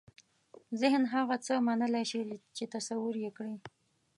ذهن هغه څه منلای شي چې تصور یې کړي.